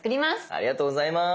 ありがとうございます。